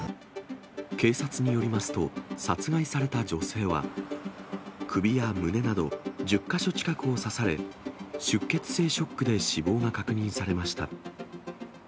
警察によりますと、殺害された女性は首や胸など、１０か所近くを刺され、出血性ショックで死亡が確認されました。